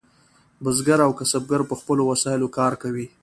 بزګر او کسبګر په خپلو وسایلو کار کوي.